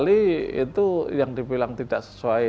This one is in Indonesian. kali itu yang dibilang tidak sesuai